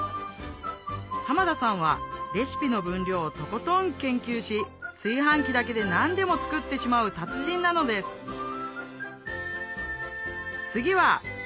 濱田さんはレシピの分量をとことん研究し炊飯器だけで何でも作ってしまう達人なのですこんな